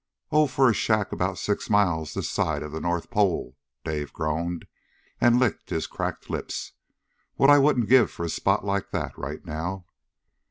"Oh, for a shack about six miles this side of the North Pole!" Dave groaned, and licked his cracked lips. "What I wouldn't give for a spot like that, right now!"